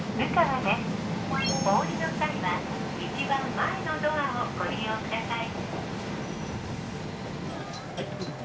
お降りの際は一番前のドアをご利用下さい」。